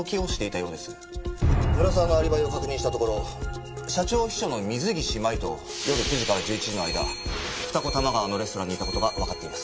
村沢のアリバイを確認したところ社長秘書の水岸麻衣と夜９時から１１時の間二子玉川のレストランにいた事がわかっています。